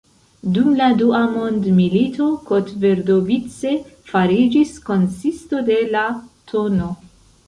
Dum la dua mondmilito Kotvrdovice fariĝis konsisto de la tn.